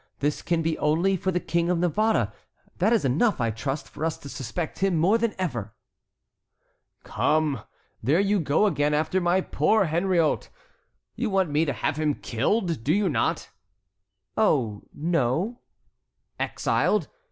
This can be only for the King of Navarre. That is enough, I trust, for us to suspect him more than ever." "Come, there you go again after my poor Henriot! You want me to have him killed; do you not?" "Oh, no." "Exiled?